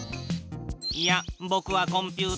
やあぼくはコンピュータ。